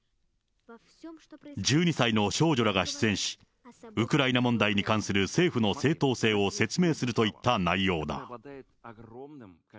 １２歳の少女らが出演し、ウクライナ問題に関する政府の正当性を説明するといった内容だ。